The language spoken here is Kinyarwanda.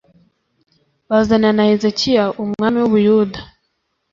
bazanira na Hezekiya umwami w u Buyuda